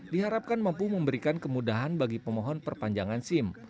diharapkan mampu memberikan kemudahan bagi pemohon perpanjangan sim